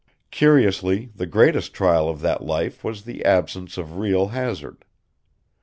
Curiously, the greatest trial of that life was the absence of real hazard.